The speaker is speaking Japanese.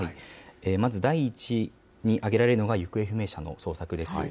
まず第１に挙げられるのが行方不明者の捜索です。